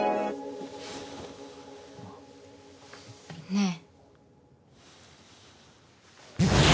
ねえ。